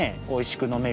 おいしい？